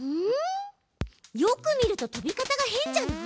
よく見るととび方が変じゃない？